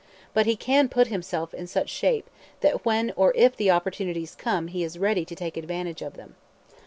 But he can put himself in such shape that when or if the opportunities come he is ready to take advantage of them.